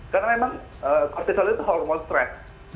karena memang kortisol itu hormon stres